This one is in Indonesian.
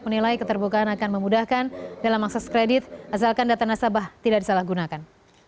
menilai keterbukaan akan memudahkan dalam akses kredit asalkan data nasabah tidak disalahgunakan